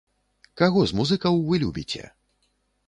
Каго з музыкаў вы любіце?